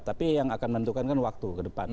tapi yang akan menentukan kan waktu ke depan